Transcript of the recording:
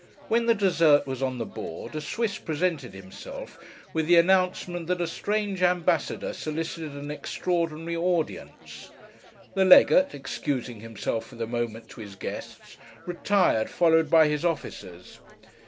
When the dessert was on the board, a Swiss presented himself, with the announcement that a strange ambassador solicited an extraordinary audience. The legate, excusing himself, for the moment, to his guests, retired, followed by his officers.